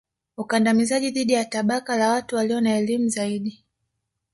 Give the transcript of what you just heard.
Ukandamizaji dhidi ya tabaka la watu walio na elimu zaidi